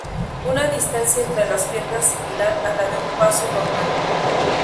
Una distancia entre las piernas similar a la de un paso normal.